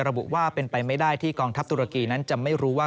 ระบุว่าเป็นไปไม่ได้ที่กองทัพตุรกีนั้นจะไม่รู้ว่า